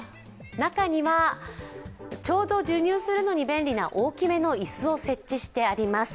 中にはちょうどら授乳するのに便利な大きめの椅子を設置してあります。